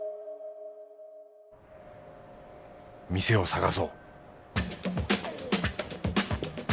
店を探そう！